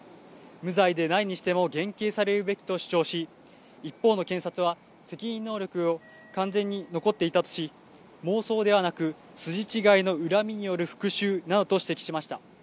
無罪でないにしても減軽されるべきと主張し、一方の検察は、責任能力は完全に残っていたとし、妄想ではなく、筋違いの恨みによる復しゅうなどと指摘しました。